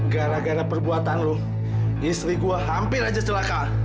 gara gara perbuatan lu istri gua hampir aja celaka